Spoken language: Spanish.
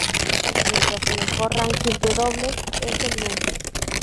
Mientras su mejor ránking de dobles es el Núm.